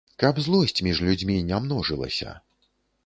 Каб злосць між людзьмі не множылася.